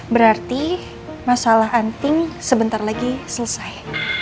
berarti masalah anting sebentar lagi selesai